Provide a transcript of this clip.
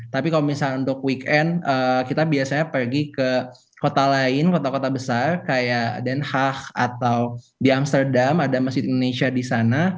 tapi kalau misalnya untuk weekend kita biasanya pergi ke kota lain kota kota besar kayak denhah atau di amsterdam ada masjid indonesia di sana